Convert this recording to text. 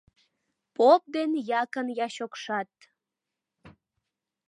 Поп ден якын-ячокшат